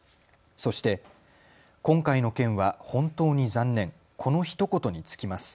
そして、今回の件は本当に残念、このひと言に尽きます。